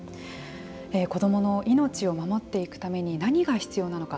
子どもの命を守っていくために何が必要なのか。